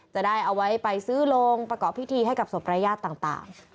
จะได้เอาไว้ไปซื้อโรงประกอบพิธีให้กับศพรายญาติต่าง